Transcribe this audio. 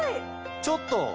ちょっと！